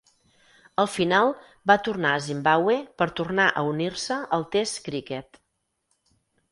Al final, va tornar a Zimbabwe per tornar a unir-se al test criquet.